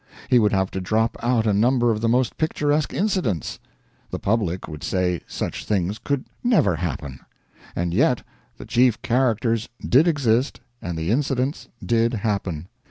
He would have to drop out a number of the most picturesque incidents; the public would say such things could never happen. And yet the chief characters did exist, and the incidents did happen.